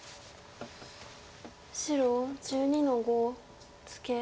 白１２の五ツケ。